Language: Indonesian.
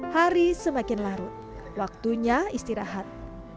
hari semakin larut waktunya istirahat